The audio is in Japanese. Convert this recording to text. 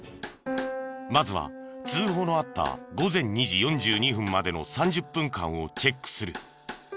まずは通報のあった午前２時４２分までの３０分間をチェックする。